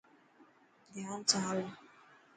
ڌيان سان هل.